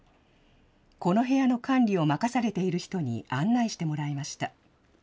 この部屋の管理を任されている人に案内してもらいました。